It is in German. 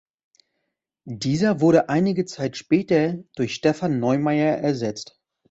Dieser wurde einige Zeit später durch Stephan Neumeier ersetzt.